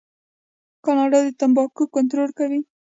کاناډا د تمباکو کنټرول کوي.